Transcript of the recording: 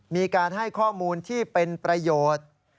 มีการให้ข้อมูลที่เป็นประโยชน์